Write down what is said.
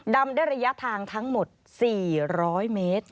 ดำได้ระยะทางทั้งหมด๔๐๐เมตร